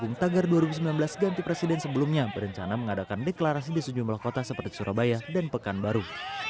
tim tagar dua ribu sembilan belas ganti presiden sebelumnya berencana mengadakan deklarasi di sejumlah kota seperti surabaya dan pekanbaru